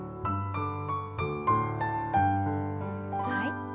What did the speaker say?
はい。